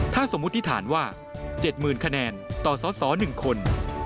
ถ้าสมมุติฐานว่า๗๐๐คะแนนต่อสส๑คน